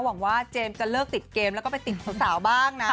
หวังว่าเจมส์จะเลิกติดเกมแล้วก็ไปติดสาวบ้างนะ